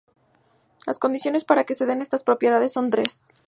Las condiciones para que se den estas propiedades son tres.